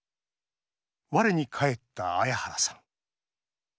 我に返った彩原さん。